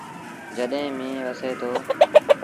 جڏهيݩ ميݩهن وسي دو۔